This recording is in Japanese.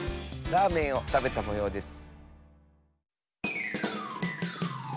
ラーメンをたべたもようです。